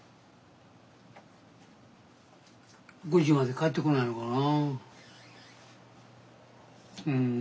５時まで帰ってこないのかな。